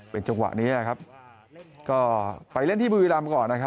เป็นจังหวะนี้นะครับก็ไปเล่นที่บุรีรำก่อนนะครับ